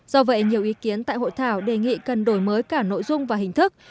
do vậy nhiều ý kiến tại hội thảo đề nghị cần đổi mới cả nội dung và hình thức